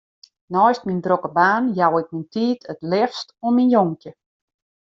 Neist myn drokke baan jou ik myn tiid it leafst oan myn jonkje.